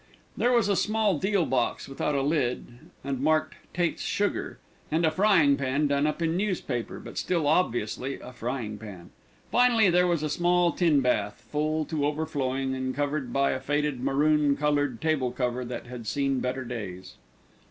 There was a small deal box without a lid and marked "Tate's Sugar," and a frying pan done up in newspaper, but still obviously a frying pan. Finally there was a small tin bath, full to overflowing, and covered by a faded maroon coloured table cover that had seen better days.